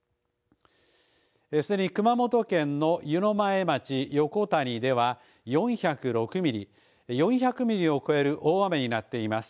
すでに熊本県の湯前町横谷では４０６ミリ４００ミリを超える大雨になっています。